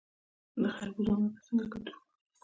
د خربوزو مګس څنګه کنټرول کړم؟